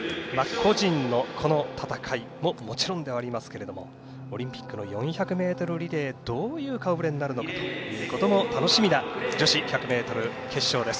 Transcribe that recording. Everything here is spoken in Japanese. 個人のこの戦いももちろんではありますがオリンピックの４００ｍリレーがどういう顔ぶれになるかも楽しみな女子１００ｍ決勝です。